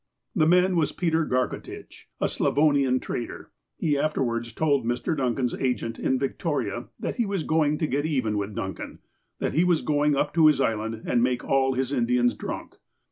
The man was Peter Garcotitch, a Slavonian trader. He afterwards told Mr. Duncan's agent in Victoria that he was going to get even with Duncan. That he was go ing up to his island, and make all his Indians drunk.